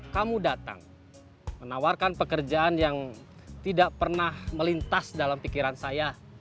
kamu datang menawarkan pekerjaan yang tidak pernah melintas dalam pikiran saya